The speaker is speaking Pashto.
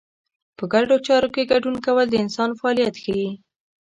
په ګډو چارو کې ګډون کول د انسان فعالیت ښيي.